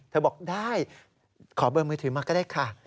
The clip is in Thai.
บอกได้ขอเบอร์มือถือมาก็ได้ค่ะ